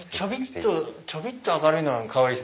ちょびっと明るいのがかわいい。